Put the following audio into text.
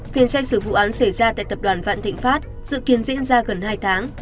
phiên xét xử vụ án xảy ra tại tập đoàn vạn thịnh pháp dự kiến diễn ra gần hai tháng